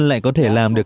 lại có thể làm được